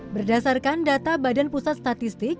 berdasarkan data badan pusat statistik